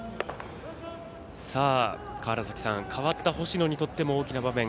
代わった星野にとっても大きな場面。